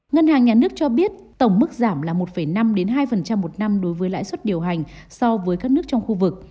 ngân hàng nhà nước cho biết tổng mức giảm là một năm hai một năm đối với lãi suất điều hành so với các nước trong khu vực